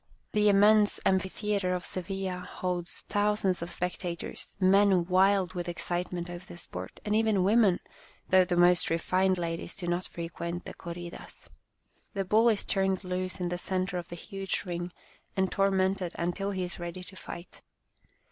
The immense amphitheatre of Sevilla holds thousands of spectators, men wild with excite ment over the sport, and even women, though the most refined ladies do not frequent the corridas. The bull is turned loose in the centre of the huge ring and tormented until he is ready to fight.